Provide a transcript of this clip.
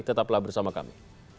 tetaplah bersama kami